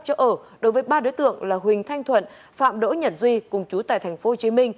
chỗ ở đối với ba đối tượng là huỳnh thanh thuận phạm đỗ nhật duy cùng chú tại tp hcm